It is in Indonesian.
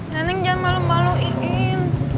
neng jangan malu maluin